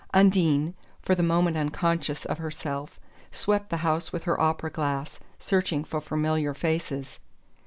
Undine, for the moment unconscious of herself, swept the house with her opera glass, searching for familiar faces.